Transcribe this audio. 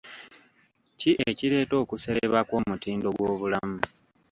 Ki ekireeta okusereba kw'omutindo gw'obulamu?